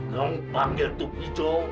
kamu panggil tukijo